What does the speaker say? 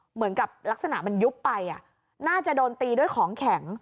เหมือนกับลักษณะมันยุบไปน่าจะโดนตีด้วยของแข็ง